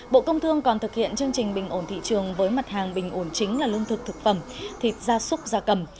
bộ công thương còn thực hiện chương trình bình ổn thị trường với mặt hàng bình ổn chính là lương thực thực phẩm thịt gia súc gia cầm